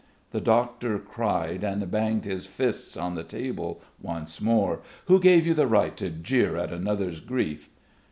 the doctor cried and banged his fists on the table once more. "Who gave you the right to jeer at another's grief?"